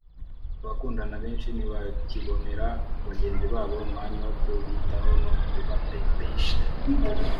abakundana benshi ntibakibonera bagenzi babo umwanya wo kubitaho no kubatetesha